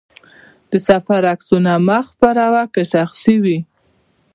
د سفر عکسونه مه خپره وه، که شخصي وي.